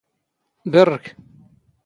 ⴱⵔⵔⴽ.